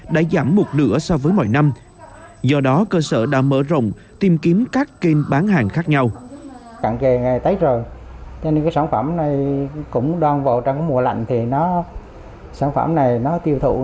đã giảm một nửa so với mọi năm do đó cơ sở đã mở rộng tìm kiếm các kênh bán hàng khác nhau